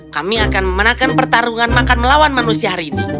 kami akan memenangkan pertarungan makan melawan manusia hari ini